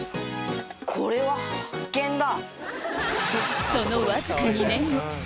これは発見だ！